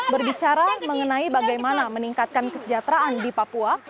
berbicara mengenai bagaimana meningkatkan kesejahteraan di papua